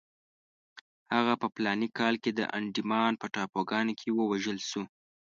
هغه په فلاني کال کې د انډیمان په ټاپوګانو کې ووژل شو.